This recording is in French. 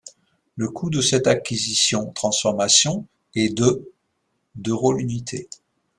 Le coût de cette acquisition-transformation est de d'euros l'unité.